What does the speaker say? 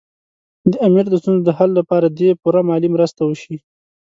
د امیر د ستونزو د حل لپاره دې پوره مالي مرستې وشي.